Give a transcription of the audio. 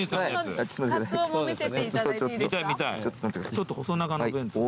ちょっと細長のお弁当。